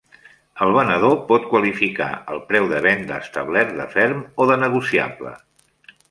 El venedor pot qualificar el preu de venda establert de ferm o de negociable.